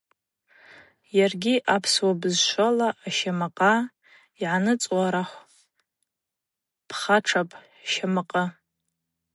Йаргьи апсуа бызшвала ащамакъа йгӏаныцӏуа рахв пхатшапӏ – щамакъы.